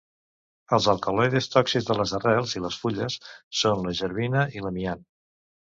Els alcaloides tòxics de les arrels i les fulles són la jervina i l'amiant.